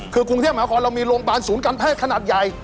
คือกรุงเทพมหาคอนเรามีโรงพยาบาลศูนย์การแพทย์ขนาดใหญ่